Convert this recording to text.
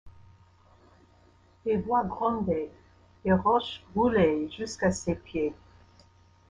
Des voix grondaient, des roches roulaient jusqu’à ses pieds.